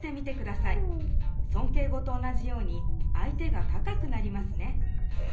そんけい語と同じように相手が高くなりますね。